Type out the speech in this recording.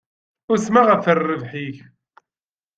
Usmeɣ ɣef rrbeḥ-ik.